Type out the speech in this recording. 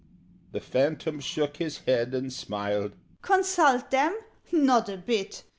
The Phantom shook his head and smiled. "Consult them? Not a bit!